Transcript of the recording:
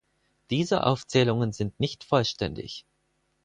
Diese Aufzählungen sind nicht vollständig.